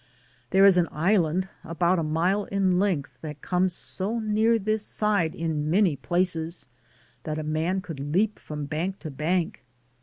There is an island, about a mile in length, that comes so near this side in many places that a man could leap from bank to bank.